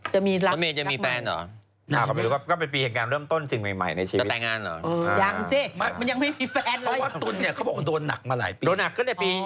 อย่างแอร์ที่ดีอะไรกว่านี้อีกปีนี้แล้วเขาก็ปังมาก